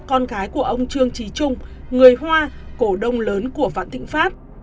con gái của ông trương trí trung người hoa cổ đông lớn của vạn thịnh pháp